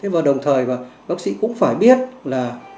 và đồng thời bác sĩ cũng phải biết là